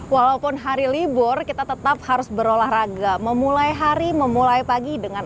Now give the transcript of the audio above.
walaupun hari libur kita tetap harus berolahraga memulai hari memulai pagi dengan